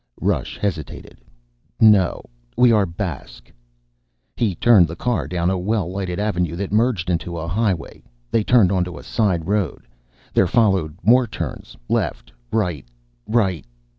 Rush hesitated. "No. We are Basque." He turned the car down a well lighted avenue that merged into a highway. They turned onto a side road. There followed more turns left, right, right.